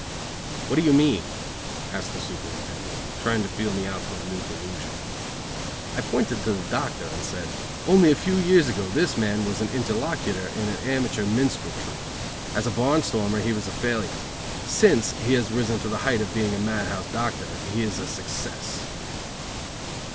"What do you mean?" asked the Superintendent, trying to feel me out for a new delusion. I pointed to the doctor and said: "Only a few years ago this man was interlocutor in an amateur minstrel troupe. As a barn stormer he was a failure. Since he has risen to the height of being a mad house doctor he is a success."